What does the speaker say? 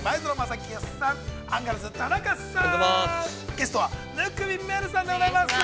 ◆ゲストは生見愛瑠さんでございます。